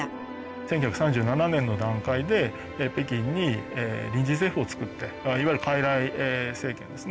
１９３７年の段階で北京に臨時政府をつくっていわゆる傀儡政権ですね。